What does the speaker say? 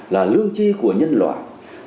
là lương tri của nhân loại